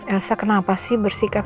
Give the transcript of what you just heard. elsa kenapa sih bersihkan